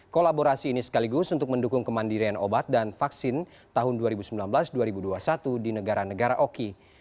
kolaborasi ini sekaligus untuk mendukung kemandirian obat dan vaksin tahun dua ribu sembilan belas dua ribu dua puluh satu di negara negara oki